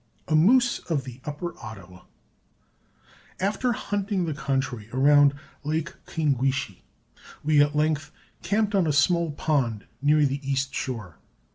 [Illustration: A MOOSE OF THE UPPER OTTAWA.] After hunting the country around Lake Kwingwishe, we at length camped on a small pond near the east shore.